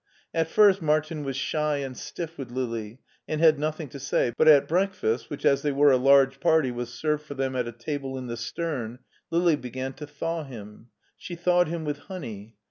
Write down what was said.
At first Martin was shy and stiff with Lili, and had nothing to say, but at breakfast, which as they were a large party was served for them at a table in the stem, Lili began to thaw him. She thawed him with honey.